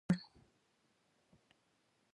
د سړک غږونه مې خوب خراب کړ.